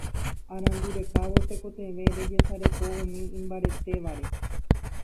Arandu rekávo tekotevẽ rejesareko umi imbaretévare